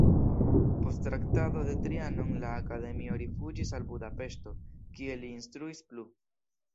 Post Traktato de Trianon la akademio rifuĝis al Budapeŝto, kie li instruis plu.